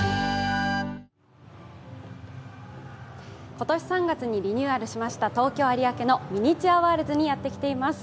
今年３月にリニューアルされました東京・有明のミニチュアワールズにやってきています。